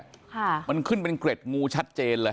ค่ะมันขึ้นเป็นเกร็ดงูชัดเจนเลย